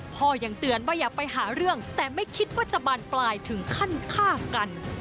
พ่อยังเตือนว่าอย่าไปหาเรื่องแต่ไม่คิดว่าจะบานปลายถึงขั้นฆ่ากัน